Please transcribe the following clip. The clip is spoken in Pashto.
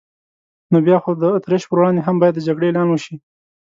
نو بیا خو د اتریش پر وړاندې هم باید د جګړې اعلان وشي.